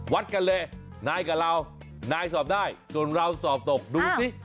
วัดกันเลยนายกับเรานายสอบได้ส่วนเราสอบตกดูสิ